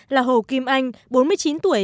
là hồ kim anh bốn mươi chín tuổi